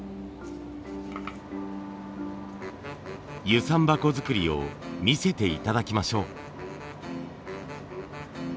遊山箱作りを見せて頂きましょう。